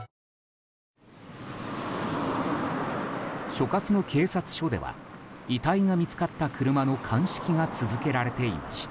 所轄の警察署では遺体が見つかった車の鑑識が続けられていました。